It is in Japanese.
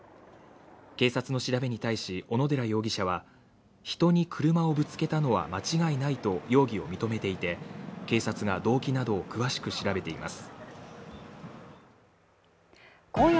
警察の調べに対し小野寺容疑者は人に車をぶつけたのは間違いないと容疑を認めていて警察が動機などを詳しく調べています。